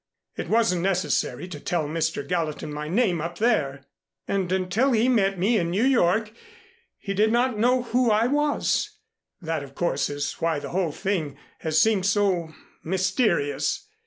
It wasn't necessary to tell Mr. Gallatin my name up there, and until he met me in New York he did not know who I was. That, of course, is why the whole thing has seemed so mysterious."